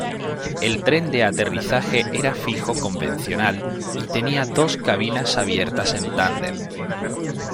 El tren de aterrizaje era fijo convencional, y tenía dos cabinas abiertas en tándem.